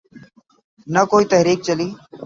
نہ کوئی تحریک چلی۔